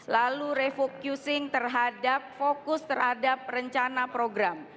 lalu refocusing terhadap fokus terhadap rencana program